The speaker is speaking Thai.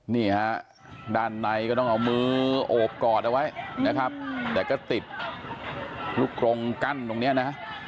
นี่ฮะด้านในก็ต้องเอามือโอบกอดเอาไว้นะครับแต่ก็ติดลูกกรงกั้นตรงนี้นะ